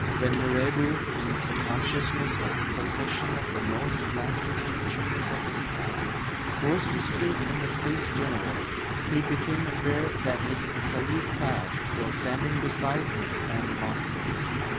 When Mirabeau, in the consciousness of the possession of the most masterful genius of his time, rose to speak in the States General, he became aware that his dissolute past was standing beside him and mocking him.